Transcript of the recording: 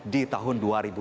di tahun dua ribu dua puluh